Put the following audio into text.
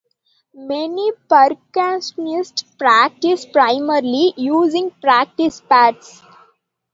Many percussionists practice primarily using practice pads.